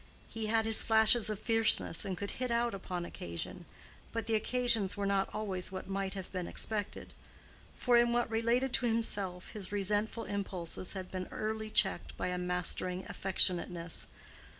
He had his flashes of fierceness and could hit out upon occasion, but the occasions were not always what might have been expected. For in what related to himself his resentful impulses had been early checked by a mastering affectionateness.